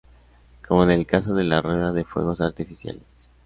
Cómo en el caso de la rueda de fuegos artificiales.